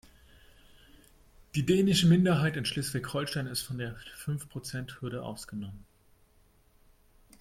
Die dänische Minderheit in Schleswig-Holstein ist von der Fünfprozenthürde ausgenommen.